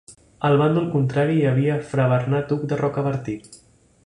Al bàndol contrari hi havia fra Bernat Hug de Rocabertí.